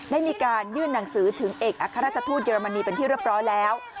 ได้มีการยื่นหนังสือถึงเอกอัครราชทูตเยอรมนีเป็นที่เรียบร้อยแล้ว